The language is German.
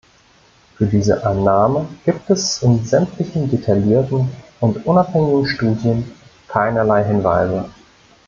Für diese Annahme gibt es in sämtlichen detaillierten und unabhängigen Studien keinerlei Hinweise.